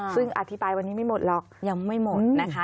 ซึ่งอธิบายวันนี้ไม่หมดหรอกยังไม่หมดนะคะ